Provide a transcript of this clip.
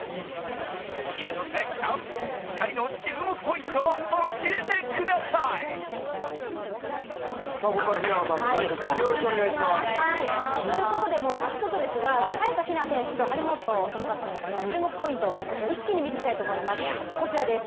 平野早矢香さん、２人の注目ポイント、教えてください。ということで早速、早田ひな選手と張本智和選手の注目ポイントをこちら一気に見ていきたいと思います。